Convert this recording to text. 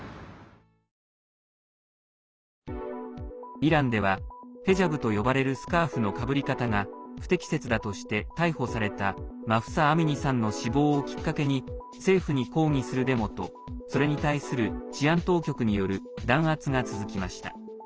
イランではへジャブと呼ばれるスカーフのかぶり方が不適切だとして逮捕されたマフサ・アミニさんの死亡をきっかけに政府に抗議するデモとそれに対する治安当局による弾圧が続きました。